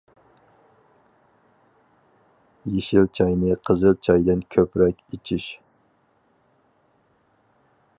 يېشىل چاينى قىزىل چايدىن كۆپرەك ئىچىش.